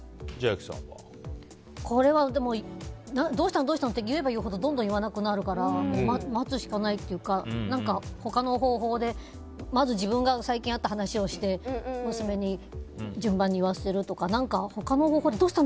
これはどうしたの？って言えば言うほどどんどん言わなくなるから待つしかないというか他の方法でまず自分が最近あった話をして、娘に順番に言わせるとか何か他の方法でどうしたの？